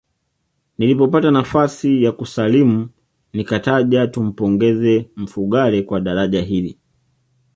Nilipopata nafasi ya kusalimu nikataja tumpongeze Mfugale kwa daraja hili